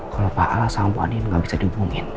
kalau pak alas sama bu andien gak bisa dihubungin